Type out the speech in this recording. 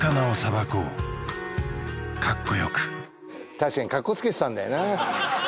確かにカッコつけてたんだよな